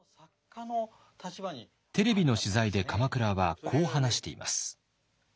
テレビの取材で鎌倉はこう話しています。